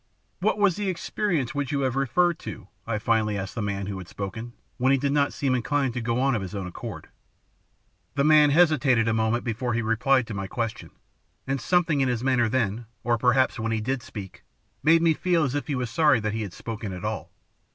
"What was the experience which you have referred to?" I finally asked the man who had spoken, when he did not seem inclined to go on of his own accord. The man hesitated a moment before he replied to my question, and something in his manner then, or perhaps when he did speak, made me feel as if he was sorry that he had spoken at all.